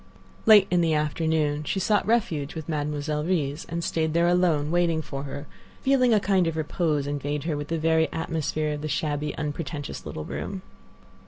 Late in the afternoon she sought refuge with Mademoiselle Reisz, and stayed there alone, waiting for her, feeling a kind of repose invade her with the very atmosphere of the shabby, unpretentious little room.